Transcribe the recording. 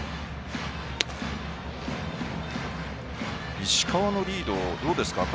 石川のリードはどうですか。